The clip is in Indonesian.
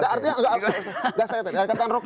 artinya enggak saya yang tanya kata roky